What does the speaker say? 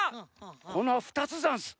このふたつざんす。